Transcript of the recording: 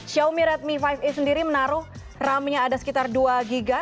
xiaomi redmi lima a sendiri menaruh ram nya ada sekitar dua gb